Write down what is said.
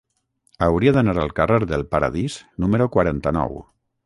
Hauria d'anar al carrer del Paradís número quaranta-nou.